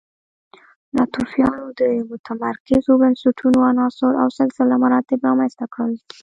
ناتوفیانو د متمرکزو بنسټونو عناصر او سلسله مراتب رامنځته کړل